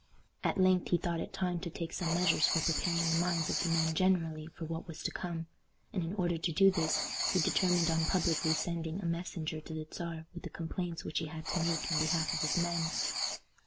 At length he thought it time to take some measures for preparing the minds of the men generally for what was to come, and in order to do this he determined on publicly sending a messenger to the Czar with the complaints which he had to make in behalf of his men.